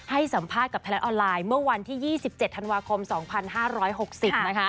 ให้สัมภาษณ์กับไทยรัฐออนไลน์เมื่อวันที่๒๗ธันวาคม๒๕๖๐นะคะ